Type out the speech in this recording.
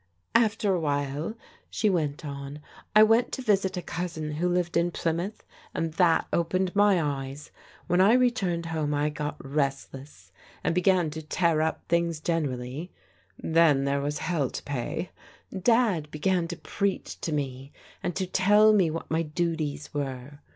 " After a while," she went on, " I went to visit a cousin who lived in Plymouth, and that opened my eyes. When I returned home I got restless and began to tear up things generally. Then there was to pay. Dad began to preach to me, and to tell me what my duties were.